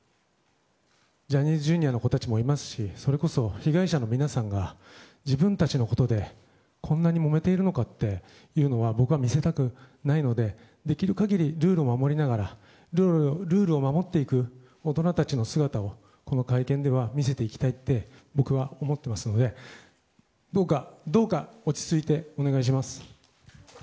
ジャニーズＪｒ．の子たちもいますしそれこそ被害者の皆さんは自分たちのことでこんなにもめているのかっていうのは僕は見せたくないのでできる限りルールを守りながらルールを守っている大人たちの姿をこの会見では見せていきたいって僕は思っていますのでどうか、どうか落ち着いてお願いします。